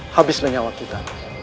habislah nyawa kita